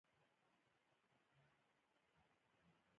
هر هغه څه چې د ځان لپاره خوښوې.